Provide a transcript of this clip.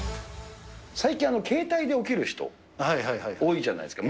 最近、携帯で起きる人、多いじゃないですか。